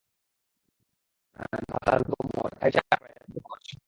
যাহা তাহার বুদ্ধিগম্য, তাহাই সে আঁকড়াইয়া থাকিতে ভালবাসে।